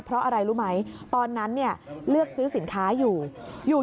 เพราะอะไรรู้ไหมตอนนั้นเลือกซื้อสินค้าอยู่